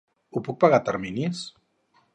Ho puc pagar a terminis?